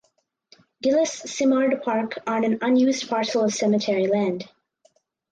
Gilles Simard Park on an unused parcel of cemetery land.